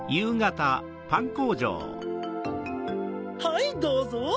はいどうぞ！